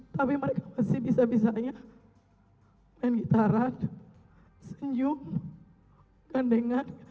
tapi mereka masih bisa bisanya main gitaran senyum gandengan